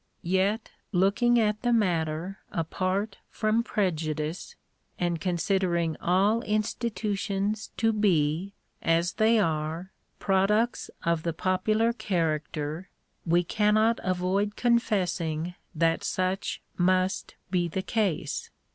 Yet, looking at the matter apart from prejudice, and considering all institutions to be, as they are, products of the popular character, we cannot avoid confessing that such must be the case.